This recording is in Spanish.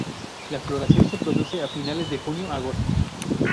La floración se produce a finales de junio-agosto.